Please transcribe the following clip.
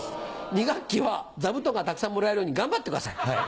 「二学期はざぶとんがたくさんもらえるようにがんばってください。